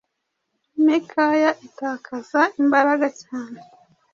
Imikaya itakaza imbaraga cyane.